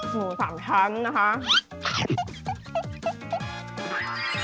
หมู๓ชั้นนะคะ